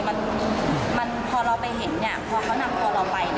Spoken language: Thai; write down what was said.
พอนับพอเราไป